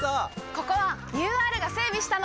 ここはＵＲが整備したの！